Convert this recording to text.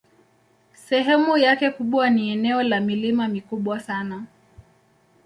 Sehemu yake kubwa ni eneo la milima mikubwa sana.